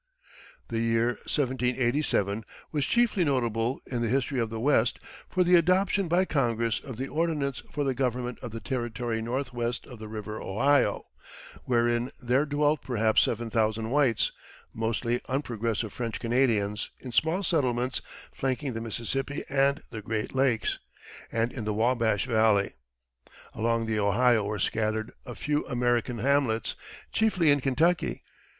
The year 1787 was chiefly notable, in the history of the West, for the adoption by Congress of the Ordinance for the government of the Territory Northwest of the River Ohio, wherein there dwelt perhaps seven thousand whites, mostly unprogressive French Canadians, in small settlements flanking the Mississippi and the Great Lakes, and in the Wabash Valley. Along the Ohio were scattered a few American hamlets, chiefly in Kentucky.